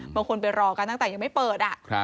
ไปรอกันตั้งแต่ยังไม่เปิด